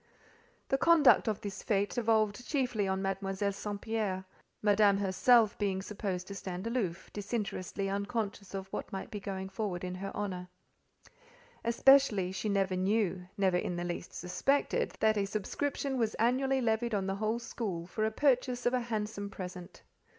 The conduct of this fête devolved chiefly on Mademoiselle St. Pierre: Madame herself being supposed to stand aloof, disinterestedly unconscious of what might be going forward in her honour. Especially, she never knew, never in the least suspected, that a subscription was annually levied on the whole school for the purchase of a handsome present.